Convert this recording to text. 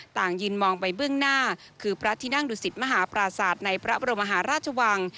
ต่างยืนมองไปเบื้องหน้าคือพระที่นั่งดุสิตมหาปราศาสตร์ในพระบรมหาราชวัง